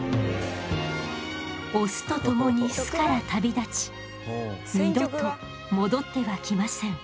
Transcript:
オスと共に巣から旅立ち二度と戻ってはきません。